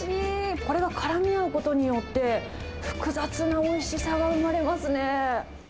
これがからみ合うことによって、複雑なおいしさが生まれますね。